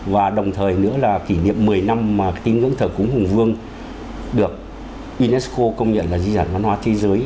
và đồng thời nữa là kỷ niệm một mươi năm mà tín ngưỡng thờ cúng hùng vương được unesco công nhận là di sản văn hóa thế giới